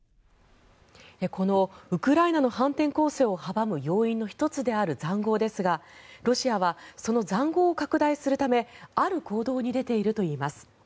このウクライナの反転攻勢を阻む要因の１つである塹壕ですがロシアはその塹壕を拡大するためある行動に出ているといいます。